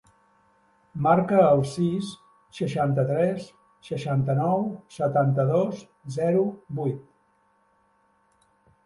Marca el sis, seixanta-tres, seixanta-nou, setanta-dos, zero, vuit.